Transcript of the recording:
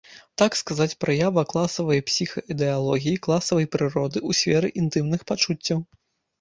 Так сказаць, праява класавай псіхаідэалогіі, класавай прыроды ў сферы інтымных пачуццяў.